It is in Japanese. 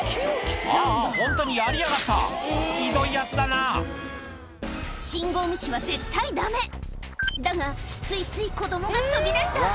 ああホントにやりやがったひどいヤツだな信号無視は絶対ダメだがついつい子供が飛び出した！